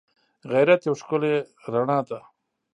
غیرت یوه ښکلی رڼا ده